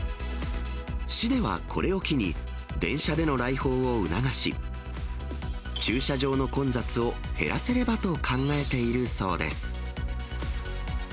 市ではこれを機に、電車での来訪を促し、駐車場の混雑を減らせればと考えているそうです。